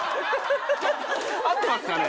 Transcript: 合ってますかね？